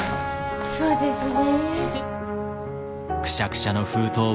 そうですね。